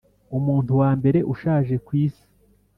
Umuntu wa mbere ushaje ku isi